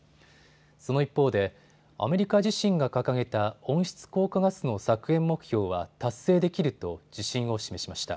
その一方でアメリカ自身が掲げた温室効果ガスの削減目標は達成できると自信を示しました。